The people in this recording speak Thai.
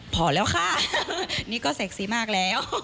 พอแล้วค่ะนี่ก็เสกสีมากแล้ว